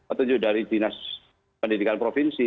petunjuk dari dinas pendidikan provinsi